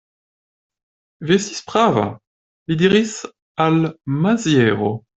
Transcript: Vi estis prava, li diris al Maziero.